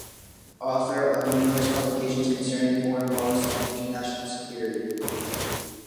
Author of numerous publications concerning foreign policy and international security.